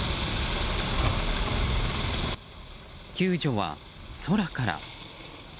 救助は空から。